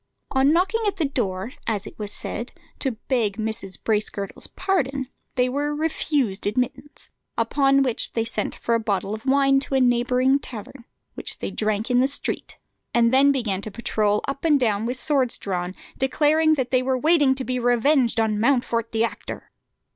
On knocking at the door, as it was said, to beg Mrs. Bracegirdle's pardon, they were refused admittance; upon which they sent for a bottle of wine to a neighbouring tavern, which they drank in the street, and then began to patrol up and down with swords drawn, declaring they were waiting to be revenged on Mountfort the actor.